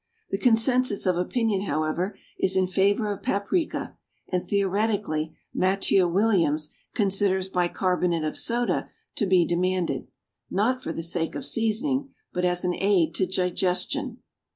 The consensus of opinion, however, is in favor of paprica; and, theoretically, Mattieu Williams considers bicarbonate of soda to be demanded, not for the sake of seasoning, but as an aid to digestion.